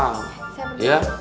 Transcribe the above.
saya beli pak